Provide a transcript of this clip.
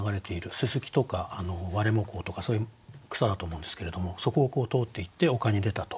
ススキとかワレモコウとかそういう草だと思うんですけどもそこを通っていって丘に出たと。